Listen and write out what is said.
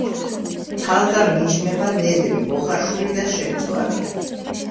თალგამი იჭმება ნედლი, მოხარშული და შემწვარი.